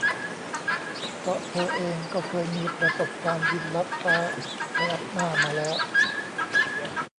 เพราะเธอเองก็เคยมีประสบการณ์บินลัดฟ้าไปอัปหน้ามาแล้ว